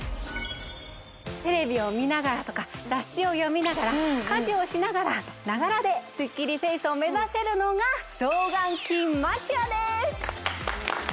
テレビを見ながらとか雑誌を読みながら家事をしながらながらでスッキリフェイスを目指せるのがゾーガンキンマチュアです！